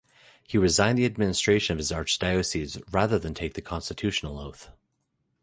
He resigned the administration of his archdiocese rather than take the constitutional oath.